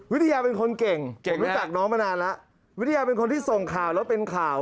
เป็นคนเก่งเก่งรู้จักน้องมานานแล้ววิทยาเป็นคนที่ส่งข่าวแล้วเป็นข่าว